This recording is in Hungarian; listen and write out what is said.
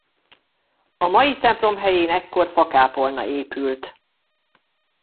A mai templom helyén ekkor fakápolna épült.